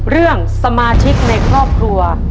เรื่องสมาชิกในครอบครัว